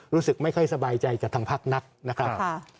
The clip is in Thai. รู้สึกไม่ค่อยสบายใจกับทางพักนักนะครับ